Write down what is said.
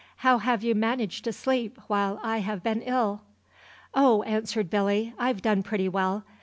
How have you managed for sleep while I have been ill?" "Oh," answered Billy, "I've done pretty well.